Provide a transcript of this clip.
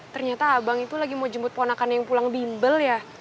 ternyata abang itu lagi mau jemput ponakannya yang pulang bimbel ya